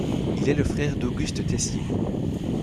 Il est le frère d'Auguste Tessier.